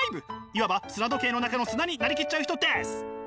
いわば砂時計の中の砂になり切っちゃう人です。